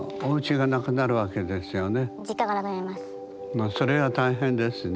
ただそれは大変ですね。